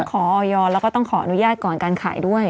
ออยแล้วก็ต้องขออนุญาตก่อนการขายด้วย